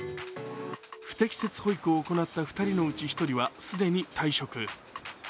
不適切保育を行った２人のうち１人は既に退職。